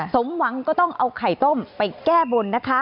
สมหวังก็ต้องเอาไข่ต้มไปแก้บนนะคะ